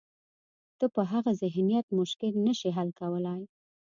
ته په هغه ذهنیت مشکل نه شې حل کولای.